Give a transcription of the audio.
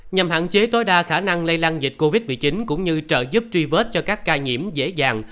nhằm hạn chế tối đa khả năng lây lan dịch covid một mươi chín cũng như trợ giúp truy vết cho các ca nhiễm dễ dàng